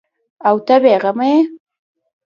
او ته بې غمه یې ؟